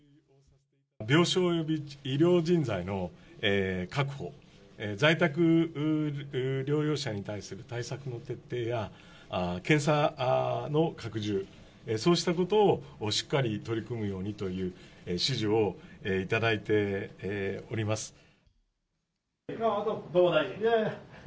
病床および医療人材の確保、在宅療養者に対する対策の徹底や、検査の拡充、そうしたことをしっかり取り組むようにという指示をいただいておどうも、大臣。